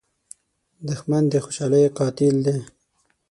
دښمن د خوشحالۍ قاتل دی